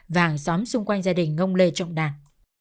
và hàng xóm xung quanh gia đình ông lê trọng đạt